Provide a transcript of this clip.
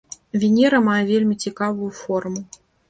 Венера мае вельмі цікавую форму.